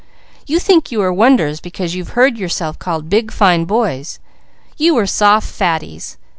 You think you are wonders because you've heard yourself called big, fine boys; you are soft fatties.